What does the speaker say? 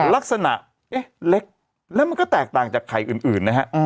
ลักษณะเอ๊ะเล็กแล้วมันก็แตกต่างจากไข่อื่นนะฮะ